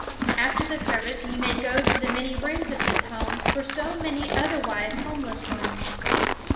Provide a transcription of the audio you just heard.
After the service you may go to the many rooms of this home for so many otherwise homeless ones.